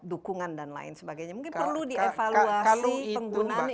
dukungan dan lain sebagainya mungkin perlu dievaluasi penggunaan influencer pak joni